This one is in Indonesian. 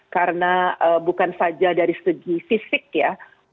karena bukan saja dari segi fisik ya